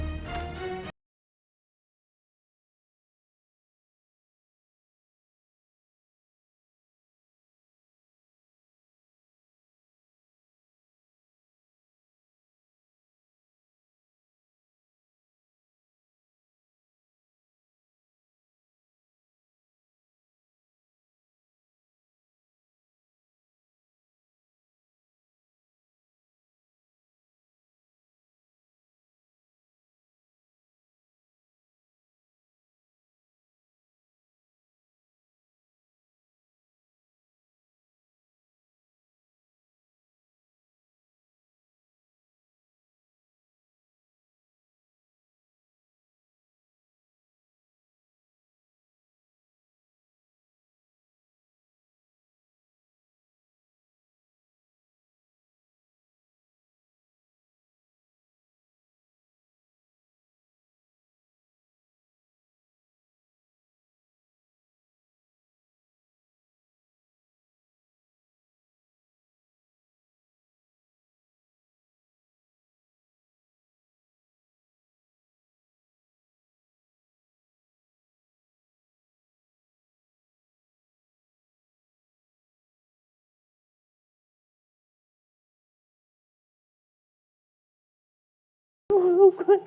aku mengetahukan itu sesuatu